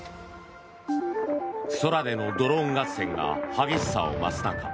空でのドローン合戦が激しさを増す中